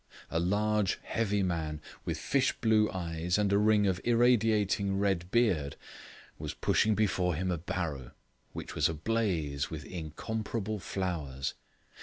A large, heavy man, with fish blue eyes and a ring of irradiating red beard, was pushing before him a barrow, which was ablaze with incomparable flowers.